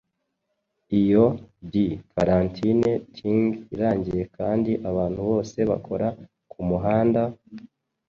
Iyo di karantine ting irangiye kandi abantu bose bakora kumuhanda?